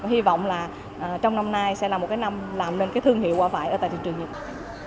hy vọng là trong năm nay sẽ là một cái năm làm nên cái thương hiệu quả vải ở tại thị trường nhật bản